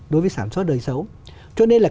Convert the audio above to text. đối với sản xuất đời xấu cho nên là